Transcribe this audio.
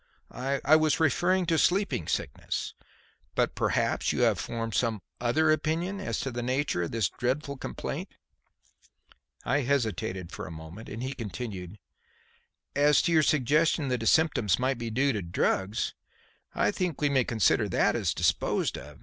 "I was referring to sleeping sickness; but perhaps you have formed some other opinion as to the nature of this dreadful complaint." I hesitated for a moment, and he continued: "As to your suggestion that his symptoms might be due to drugs, I think we may consider that as disposed of.